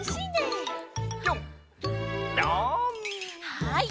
はい。